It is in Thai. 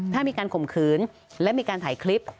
ถ้ามีการข่มขืนและมีการถ่ายคลิป